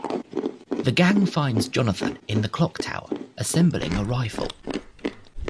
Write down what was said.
The gang finds Jonathan in the clock tower, assembling a rifle.